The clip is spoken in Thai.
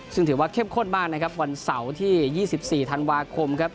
ซึ่งถือว่าเข้มข้นมากนะครับวันเสาร์ที่๒๔ธันวาคมครับ